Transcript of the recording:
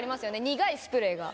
苦いスプレーが。